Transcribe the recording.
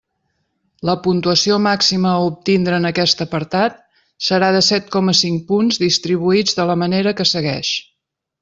La puntuació màxima a obtindre en aquest apartat serà de set coma cinc punts distribuïts de la manera que segueix.